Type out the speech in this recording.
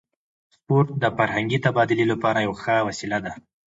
سپورت د فرهنګي تبادلې لپاره یوه ښه وسیله ده.